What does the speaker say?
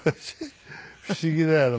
不思議だよな。